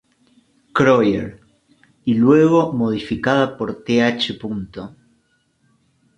Krøyer, y luego modificada por Th.